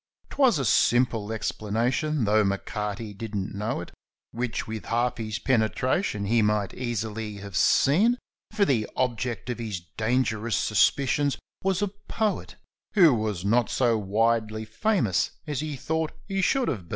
'Twas a simple explanation, though M'Carty didn't know it, Which with half his penetration he might easily have seen, For the object of his dangerous suspicions was a poet, Who was not so widely famous as he thought he should have been.